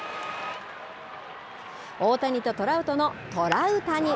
大谷とトラウトの、トラウタニ。